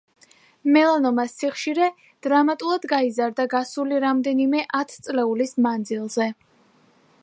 მელანომას სიხშირე დრამატულად გაიზარდა გასული რამდენიმე ათწლეულის მანძილზე.